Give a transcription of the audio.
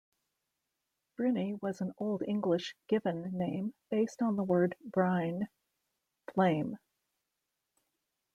Bryni was an Old English given name based on the word "bryne", "flame".